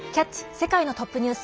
世界のトップニュース」。